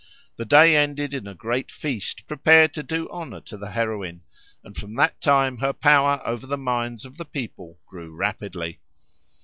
The day ended in a great feast prepared to do honour to the heroine, and from that time her power over the minds of the people grew rapidly.